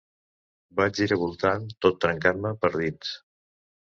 Vaig giravoltant tot trencant-me per dins.